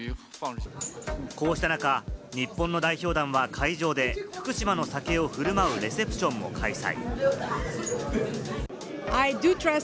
こうした中、日本の代表団は会場で、福島の酒を振る舞うレセプションを開催。